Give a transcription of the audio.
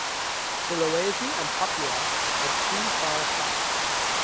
Sulawesi and Papua are too far apart.